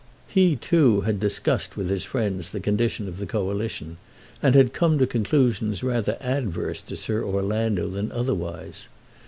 He, too, had discussed with his friends the condition of the Coalition, and had come to conclusions rather adverse to Sir Orlando than otherwise.